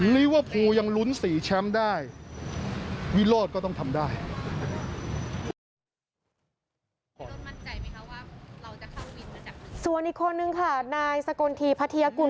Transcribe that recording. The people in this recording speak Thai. ส่วนอีกคนนึงค่ะนายสกลทีพัทยากุล